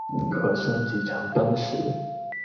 可升级成奔石。